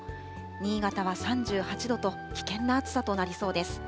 新潟は３８度と、危険な暑さとなりそうです。